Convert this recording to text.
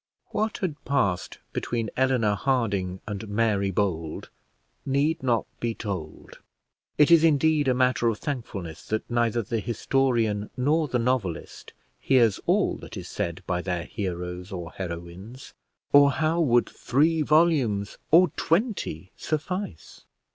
What had passed between Eleanor Harding and Mary Bold need not be told. It is indeed a matter of thankfulness that neither the historian nor the novelist hears all that is said by their heroes or heroines, or how would three volumes or twenty suffice!